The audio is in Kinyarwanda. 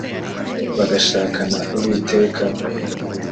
bagashakana uwiteka